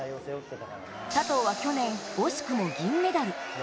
佐藤は去年、惜しくも銀メダル。